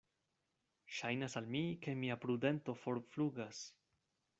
Ŝajnas al mi, ke mia prudento forflugas.